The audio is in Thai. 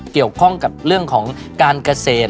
เกี่ยวข้องกับเรื่องของการเกษตร